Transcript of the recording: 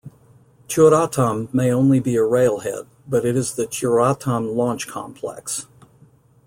Tyuratam may only be a railhead, but it is the Tyuratam Launch Complex.